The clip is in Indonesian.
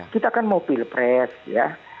kita kan mau pilpres ya